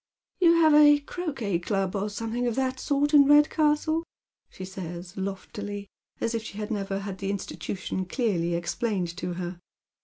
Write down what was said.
" You have a croquet club, or something of that sort in Red castle," she says, loftily, as if she had never had the institution clearly explained to her.